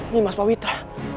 nimas pak witra